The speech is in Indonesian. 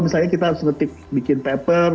misalnya kita harus petik bikin paper